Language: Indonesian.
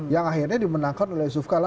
yang akhirnya dimenangkan oleh yusuf kala